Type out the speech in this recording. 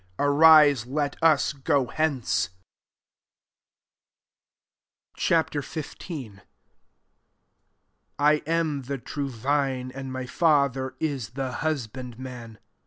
t Arise let us go hetice, Ch. XV. 1 " I AM the true vine ; and my Father is the hus bandman.